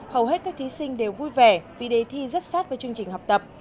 hầu hết các thí sinh đều vui vẻ vì đề thi rất sát với chương trình học tập